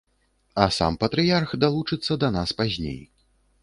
А сам патрыярх далучыцца да нас пазней.